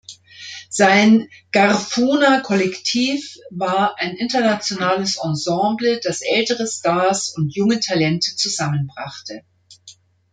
Sein "Garifuna Collective" war ein internationales Ensemble, das ältere Stars und junge Talente zusammenbrachte.